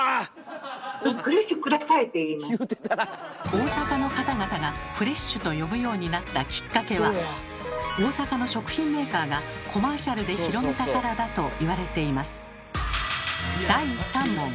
大阪の方々がフレッシュと呼ぶようになったきっかけは大阪の食品メーカーがコマーシャルで広めたからだと言われています。